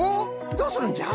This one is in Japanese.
どうするんじゃ？